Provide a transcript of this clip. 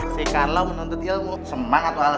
sekarang lo menuntut ilmu semangat wala sahabat